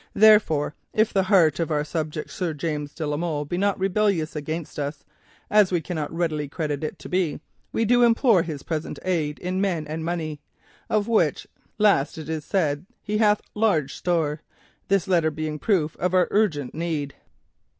Therefore, if the heart of our subject Sir James de la Molle be not rebellious against us, as we cannot readily credit it to be, we do implore his present aid in men and money, of which last it is said he hath large store, this letter being proof of our urgent need.